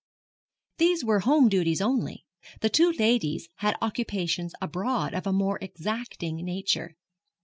These were home duties only. The two ladies had occupations abroad of a more exacting nature.